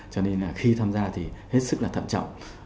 cho nên là khi tham gia thì hết sức là thận trọng